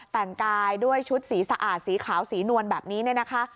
แต่งกายด้วยชุดสีสะอาดสีขาวสีนวลแบบนี้เนี่ยนะคะ